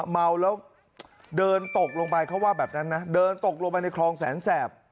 เมาแล้วเดินตกลงไปเขาว่าแบบนั้นนะเดินตกลงไปในคลองแสนแสบ